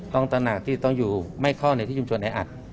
ตระหนักที่ต้องอยู่ไม่เข้าในที่ชุมชนแออัด